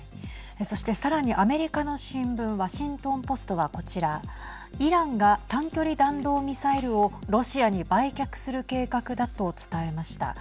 そして、さらにアメリカの新聞ワシントンポストはこちらイランが短距離弾道ミサイルをロシアに売却する計画だと伝えました。